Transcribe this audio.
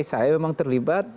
saya memang terlibat